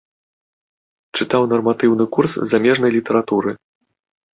Чытаў нарматыўны курс замежнай літаратуры.